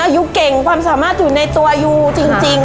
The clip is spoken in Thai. ยูเก่งความสามารถอยู่ในตัวยูจริง